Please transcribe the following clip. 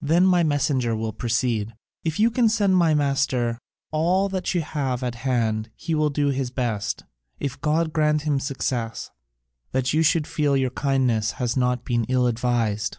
"Then my messenger will proceed, 'If you can send my master all that you have at hand he will do his best, if God grant him success, that you should feel your kindness has not been ill advised.'